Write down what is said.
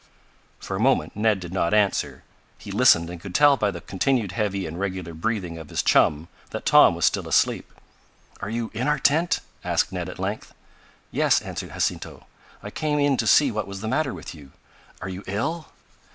For a moment Ned did not answer. He listened and could tell by the continued heavy and regular breathing of his chum that Tom was still asleep. "Are you in our tent?" asked Ned, at length: "Yes," answered Jacinto. "I came in to see what was the matter with you. Are you ill?"